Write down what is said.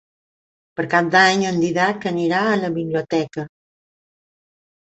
Per Cap d'Any en Dídac anirà a la biblioteca.